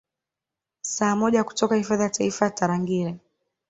Saa moja kutoka hifadhi ya Taifa ya Tarangire